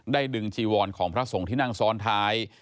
ดึงจีวรของพระสงฆ์ที่นั่งซ้อนท้าย